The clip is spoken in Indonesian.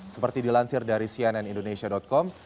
seperti dilansir dari cnn indonesia com